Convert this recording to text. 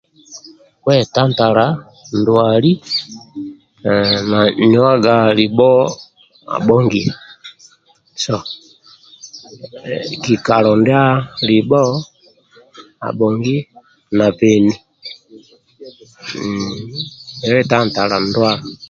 Kwetantala ndwali mmm na nuwaga libho abhongi kikalo ndia libho abhongi nabeni mmm kwetantala ndwala